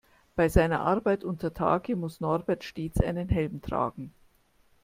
Bei seiner Arbeit untertage muss Norbert stets einen Helm tragen.